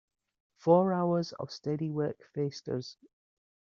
Four hours of steady work faced us.